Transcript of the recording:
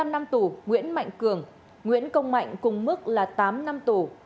một mươi năm năm tù nguyễn mạnh cường nguyễn công mạnh cùng mức là tám năm tù